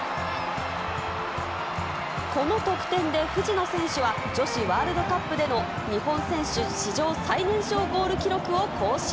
この得点で藤野選手は、女子ワールドカップでの日本選手史上最年少ゴール記録を更新。